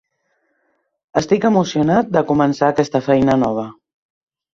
Estic emocionat de començar aquesta feina nova.